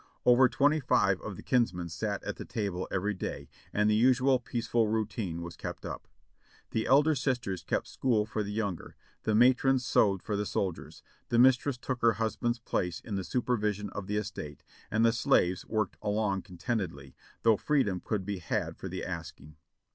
Over twenty five of the kinsmen sat at the table every day, and the usual peaceful routine was kept up. The elder sisters kept school for the younger, the matrons sewed for the soldiers, the mistress took her husband's place in the supervision of the estate, and the slaves worked along con tentedly, though freedom could be had for the asking.